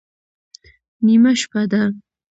_نيمه شپه ده.